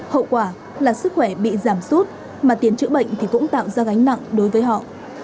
hậu quả là sức khỏe bị giảm sút mà tiến chữa bệnh thì cũng tạo ra gánh nặng đối với họ